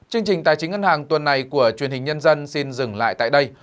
chương trình tài chính ngân hàng tuần này của truyền hình nhân dân xin dừng lại tại đây